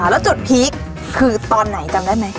แล้วจุดพีคคือตอนไหนจำได้ไหม